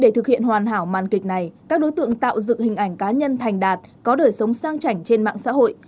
để thực hiện hoàn hảo màn kịch này các đối tượng tạo dựng hình ảnh cá nhân thành đạt có đời sống sang chảnh trên mạng xã hội